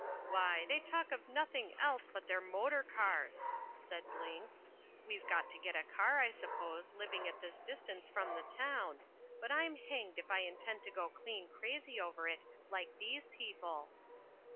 "Why, they talk of nothing else but their motor cars!" said Blinks. "We've got to get a car, I suppose, living at this distance from the town, but I'm hanged if I intend to go clean crazy over it like these people."